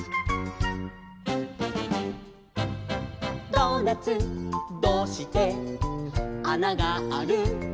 「ドーナツどうしてあながある？」